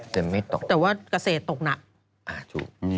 แต่ว่ากระเศษตกหนัก